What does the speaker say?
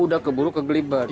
udah keburu kegeliban